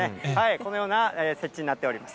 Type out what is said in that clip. このような設置になっております。